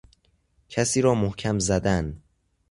کسی را محکم زدن